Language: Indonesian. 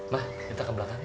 ma kita ke belakang